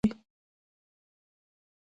سړې اوبه، ګرمه ډودۍ او د ویالې غاړه وای.